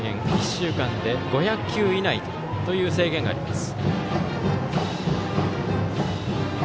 １週間で５００球以内という制限があります。